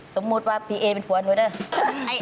สมมุติว่าพี่เอ็ยเป็นขวานหนูเถอะ